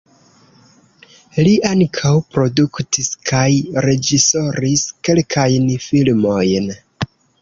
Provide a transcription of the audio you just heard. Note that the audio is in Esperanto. Li ankaŭ produktis kaj reĝisoris kelkajn filmojn.